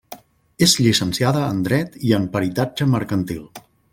És llicenciada en dret i en peritatge mercantil.